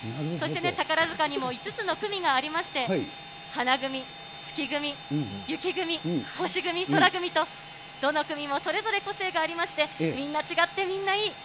そして、宝塚にも５つの組がありまして、花組、月組、雪組、星組、宙組と、どの組もそれぞれ個性がありまして、みんな違ってみんないい。